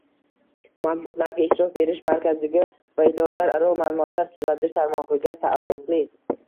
Ma’lumotlarga ishlov berish markaziga va idoralararo ma’lumotlar uzatish tarmog‘iga taalluqli